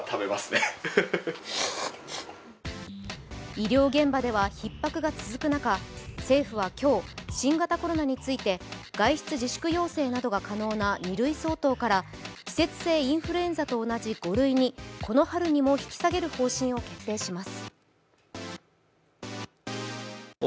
医療現場ではひっ迫が続く中、政府は今日、新型コロナについて外出自粛要請などが可能な２塁相当から季節性インフルエンザと同じ５類に、この春にも引き下げる方針を決定します。